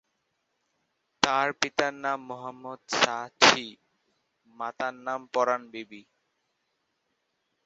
তার পিতার নাম মোহাম্মদ সাছি, মাতার নাম পরাণ বিবি।